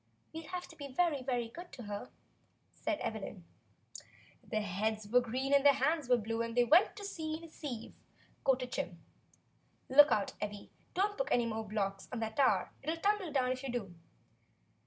"We'll have to be very, very good to her," said Evelyn. "Their heads were green and their hands were blue, and they went to sea in a sieve," quoted Jim. "Look out, Evvy, don't put any more blocks on that tower; it'll tumble down if you do."